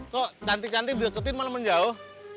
kok cantik cantik deketin malah menjauh